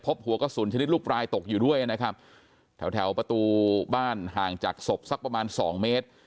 หัวกระสุนชนิดลูกปลายตกอยู่ด้วยนะครับแถวแถวประตูบ้านห่างจากศพสักประมาณสองเมตร